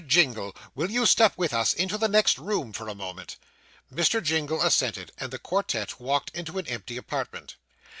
Jingle, will you step with us into the next room for a moment?' Mr. Jingle assented, and the quartette walked into an empty apartment.